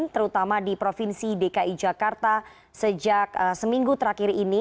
terutama di provinsi dki jakarta sejak seminggu terakhir ini